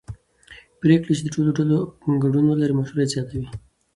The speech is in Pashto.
پرېکړې چې د ټولو ډلو ګډون ولري مشروعیت زیاتوي